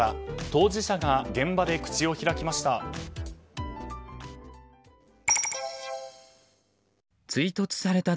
当事者が現場で口を開きました。